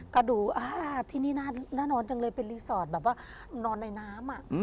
กระดูกที่นี่น่านอนจังเลยเป็นรีสอร์ทแบบว่านอนในน้ำ